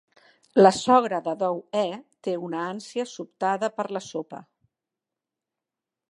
La sogra de Dou E té una ànsia sobtada per la sopa.